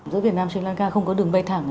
giữa việt nam sri lanka không có đường bay thẳng